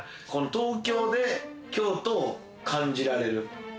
東京で京都を感じられる。